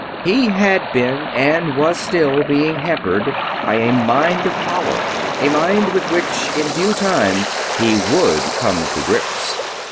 He had been and was still being hampered by a mind of power; a mind with which, in due time, he would come to grips.